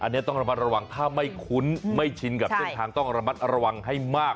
อันนี้ต้องระมัดระวังถ้าไม่คุ้นไม่ชินกับเส้นทางต้องระมัดระวังให้มาก